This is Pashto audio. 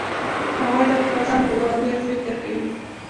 هغوی د خپل ځان په باب ډېر فکر کوي.